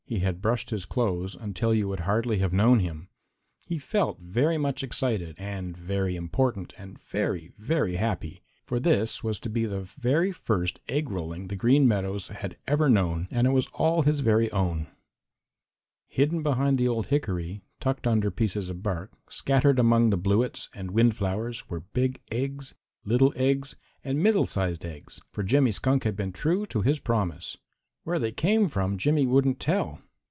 He had brushed his clothes until you would hardly have known him. He felt very much excited and very important and very, very happy, for this was to be the very first egg rolling the Green Meadows had ever known, and it was all his very own. Hidden behind the old hickory, tucked under pieces of bark, scattered among the bluets and wind flowers were big eggs, little eggs and middle sized eggs, for Jimmy Skunk had been true to his promise. Where they came from Jimmy wouldn't tell.